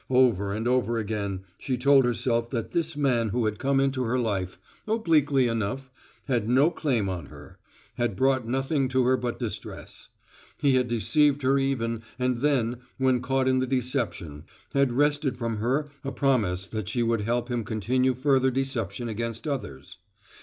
Over and over again she told herself that this man who had come into her life, obliquely enough, had no claim on her; had brought nothing to her but distress. He had deceived her even, and then, when caught in the deception, had wrested from her a promise that she would help him continue further deception against others.